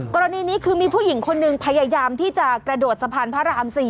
กรณีนี้คือมีผู้หญิงคนหนึ่งพยายามที่จะกระโดดสะพานพระราม๔